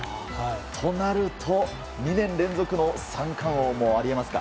となると、２年連続の三冠王もあり得ますか？